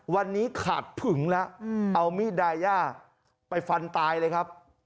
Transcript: วันนี้ขาดผึงแล้วเอามีดดายาไปฟันตายเลยครับ